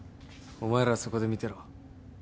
お前らはそこで見てろ。